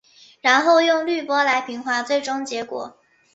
然后用滤波来平滑最终结果。